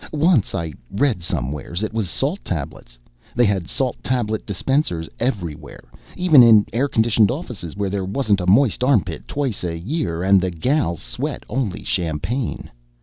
Once, I read somewheres, it was salt tablets. They had salt tablet dispensers everywhere, even in air conditioned offices where there wasn't a moist armpit twice a year and the gals sweat only champagne.